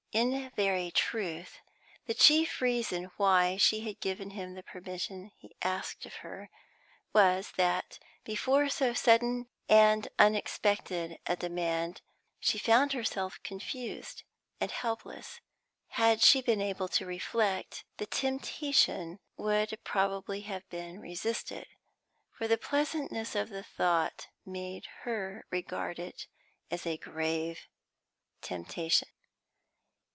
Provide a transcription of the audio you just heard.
In very truth, the chief reason why she had given him the permission he asked of her was, that before so sudden and unexpected a demand she found herself confused and helpless; had she been able to reflect, the temptation would probably have been resisted, for the pleasantness of the thought made her regard it as a grave temptation.